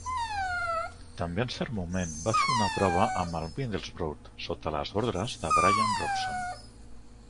També en cert moment va fer una prova amb el Middlesbrough sota les ordres de Bryan Robson.